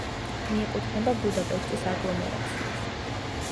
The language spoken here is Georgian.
მიეკუთვნება ბუდაპეშტის აგლომერაციას.